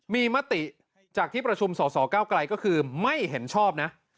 มีมติจากที่ประชุมสสเก้าไกลก็คือไม่เห็นชอบนะ